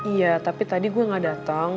iya tapi tadi gue gak datang